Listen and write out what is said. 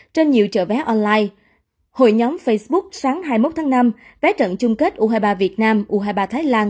trên nhiều chợ vé online hội nhóm facebook sáng hai mươi một tháng năm vé trận chung kết u hai mươi ba việt nam u hai mươi ba thái lan